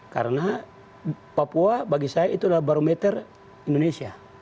karena papua bagi saya itu adalah barometer indonesia